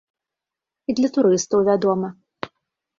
І для турыстаў, вядома.